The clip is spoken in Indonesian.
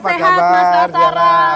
sehat mas basarah